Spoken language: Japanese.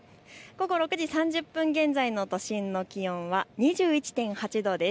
午後６時３０分現在の都心の気温は２１．８度です。